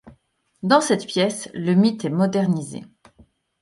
Dans cette pièce, le mythe est modernisé.